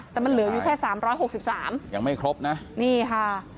แต่มันเหลืออยู่แค่๓๖๓บาทยังไม่ครบนะนี่ค่ะ